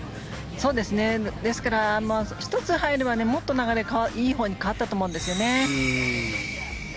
ですから１つ入ればもっと流れがいいほうに変わったと思うんですよね。